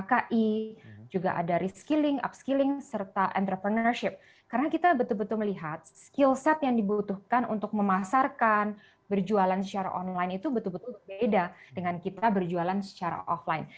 dki juga ada reskilling upskilling serta entrepreneurship karena kita betul betul melihat skill set yang dibutuhkan untuk memasarkan berjualan secara online itu betul betul berbeda dengan kita berjualan secara offline